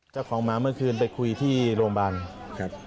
เจ้าของหมาเมื่อคืนไปคุยที่โรงพยาบาล